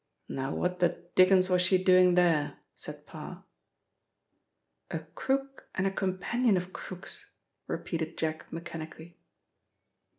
"Now what the dickens was she doing there?" said Parr. "A crook and a companion of crooks," repeated Jack mechanically.